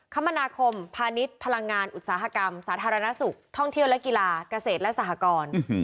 คมนาคมพาณิชย์พลังงานอุตสาหกรรมสาธารณสุขท่องเที่ยวและกีฬาเกษตรและสหกร